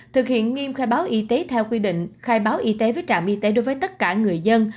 thực hiện nghiêm khai báo y tế theo quy định khai báo y tế với trạm y tế đối với tất cả người dân